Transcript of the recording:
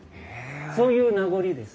そういう名残です。